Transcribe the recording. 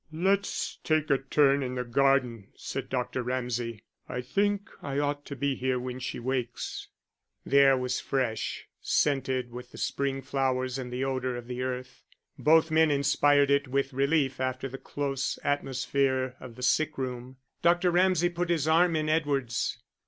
"Let's take a turn in the garden," said Dr. Ramsay. "I think I ought to be here when she wakes." The air was fresh, scented with the spring flowers and the odour of the earth. Both men inspired it with relief after the close atmosphere of the sick room. Dr. Ramsay put his arm in Edward's.